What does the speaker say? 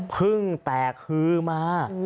เพิ่งแตกฮือมา